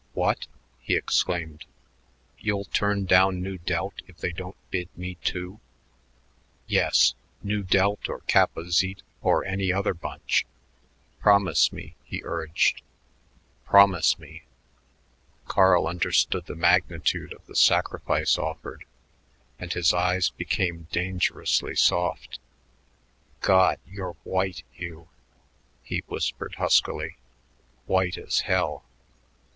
"What!" he exclaimed. "You'll turn down Nu Delt if they don't bid me, too?" "Yes, Nu Delt or Kappa Zete or any other bunch. Promise me," he urged; "promise me." Carl understood the magnitude of the sacrifice offered, and his eyes became dangerously soft. "God! you're white, Hugh," he whispered huskily, "white as hell.